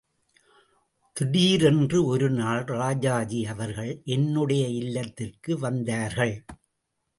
திடீரென்று ஒருநாள் ராஜாஜி அவர்கள் என்னுடைய இல்லத்திற்கு வந்தார்கள்.